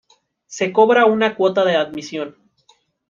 Se cobra una cuota de admisión.